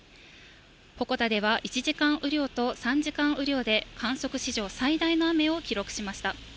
鉾田では１時間雨量と３時間雨量で、観測史上最大の雨を記録しました。